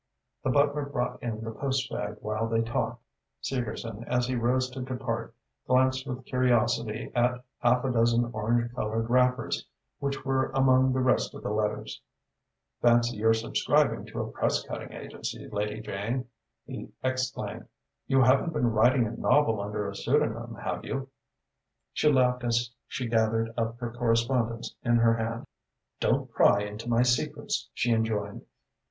The butler brought in the postbag while they talked. Segerson, as he rose to depart, glanced with curiosity at half a dozen orange coloured wrappers which were among the rest of the letters. "Fancy your subscribing to a press cutting agency, Lady Jane!" he exclaimed. "You haven't been writing a novel under a pseudonym, have you?" She laughed as she gathered up her correspondence in her hand. "Don't pry into my secrets," she enjoined.